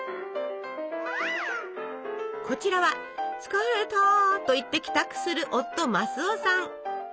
こちらは「つかれた」と言って帰宅する夫マスオさん。